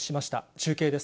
中継です。